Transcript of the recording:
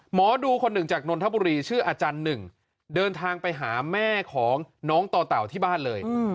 หมอดูคนหนึ่งจากนนทบุรีชื่ออาจารย์หนึ่งเดินทางไปหาแม่ของน้องต่อเต่าที่บ้านเลย